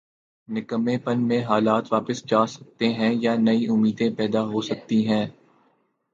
نکمّے پن میں حالات واپس جا سکتے ہیں یا نئی امیدیں پیدا ہو سکتی ہیں۔